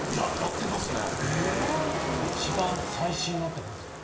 一番最新のって何ですか？